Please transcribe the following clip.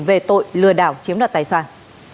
về tội lừa đảo chiếm đoạt tài sản